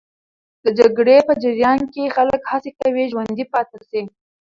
د جګړې په جریان کې خلک هڅه کوي ژوندي پاتې سي.